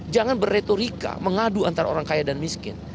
jangan berretorika mengadu antara orang kaya dan miskin